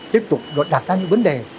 tiếp tục đặt ra những vấn đề